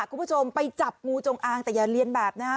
คุณผู้ชมไปจับงูจงอางแต่อย่าเรียนแบบนะฮะ